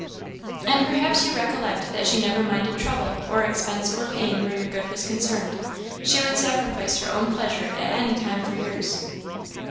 "And perhaps you recollect that she never minded trouble, or expense, or pain, where your good was concerned; she would sacrifice her own pleasure at any time for yours?"